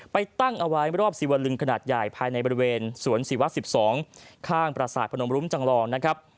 ตั้งเอาไว้รอบสิวลึงขนาดใหญ่ภายในบริเวณสวนศิวะ๑๒ข้างประสาทพนมรุมจังลองนะครับ